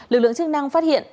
lực lượng chức năng phát hiện